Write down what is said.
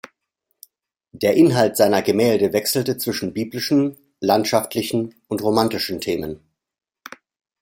Der Inhalt seiner Gemälde wechselte zwischen biblischen, landschaftlichen und romantischen Themen.